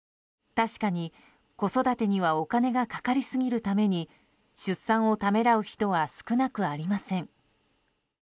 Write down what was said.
確かに、子育てにはお金がかかりすぎるために出産をためらう人は少なくありません。